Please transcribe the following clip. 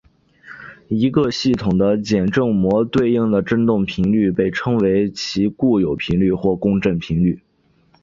一个系统的简正模对应的振动频率被称为其固有频率或共振频率。